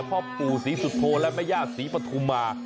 พ่อปู่ศรีสุโธและแม่ญาติศรีปฐุมา